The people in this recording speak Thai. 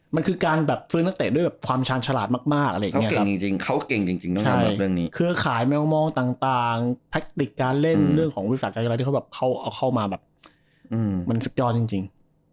มันคือการแบบฟื้นนักเตะด้วยความชาญฉลาดมากเขาเก่งจริงคือขายแมวมองต่างแพคติกการเล่นเรื่องของวิศักดิ์จังหลายที่เขาเอาเข้ามามันสุดยอดจริง